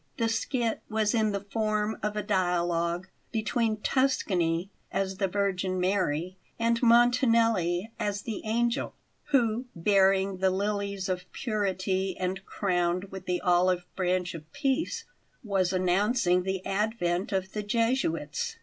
The skit was in the form of a dialogue between Tuscany as the Virgin Mary, and Montanelli as the angel who, bearing the lilies of purity and crowned with the olive branch of peace, was announcing the advent of the Jesuits.